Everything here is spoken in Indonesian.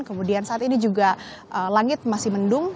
kemudian saat ini juga langit masih mendung